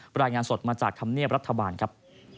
รายงานสดมาจากธรรมเนียบรัฐบาลครับ